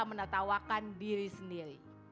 menetawakan diri sendiri